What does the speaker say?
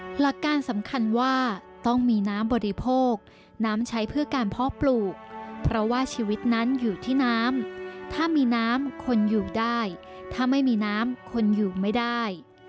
หลักการสำคัญว่าต้องมีน้ำบริโภคน้ำใช้เพื่อการเพาะปลูกเพราะว่าชีวิตนั้นอยู่ที่น้ำถ้ามีน้ำคนอยู่ได้ถ้าไม่มีน้ำคนอยู่ไม่ได้